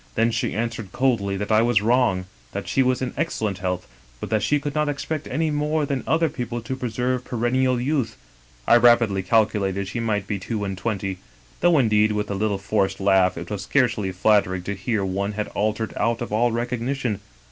Then she answered coldly that I was wrong, that she was in excellent health, but that she could not expect any more than other people to preserve perennial youth (I rapidly calculated she might be two and twenty), though, indeed, with a little forced laugh, it was scarcely flattering to hear one had altered out of all recognition.